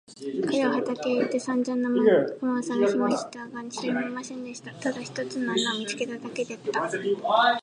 彼は畑へ行ってさんざん仲間をさがしましたが、一人もいませんでした。ただ一つの穴を見つけただけでした。